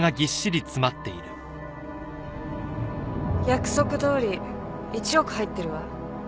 約束どおり１億入ってるわ。